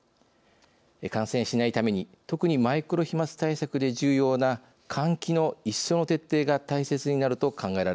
感染しないために特にマイクロ飛まつ対策で重要な換気の一層の徹底が大切になると考えられています。